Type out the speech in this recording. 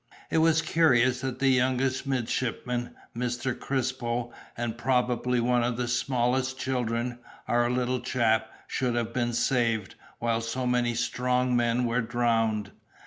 It was curious that the youngest midshipman, Mr. Crispo, and probably one of the smallest children, our little chap, should have been saved, while so many strong men were drowned....